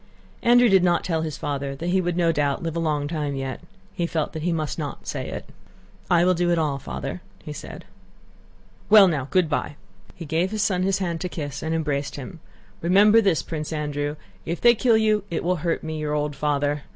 Andrew did not tell his father that he would no doubt live a long time yet. He felt that he must not say it. "I will do it all, Father," he said. "Well, now, good by!" He gave his son his hand to kiss, and embraced him. "Remember this, Prince Andrew, if they kill you it will hurt me, your old father..."